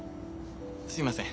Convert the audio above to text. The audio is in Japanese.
すいません。